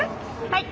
はい。